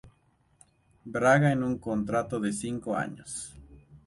Braga en un contrato de cinco años.